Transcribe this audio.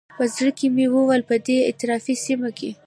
په زړه کې مې وویل په دې اطرافي سیمه کې.